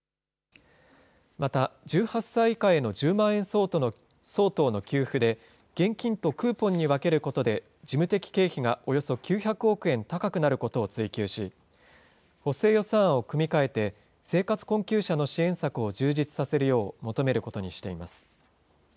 また、１８歳以下への１０万円相当の給付で、現金とクーポンに分けることで、事務的経費がおよそ９００億円高くなることを追及し、補正予算案を組み替えて、生活困窮者の支援策を充実させるよう求めることにしています。